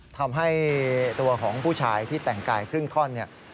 ทำให้ตัวของผู้ชายที่แต่งกายครึ่งท่อนเนี่ย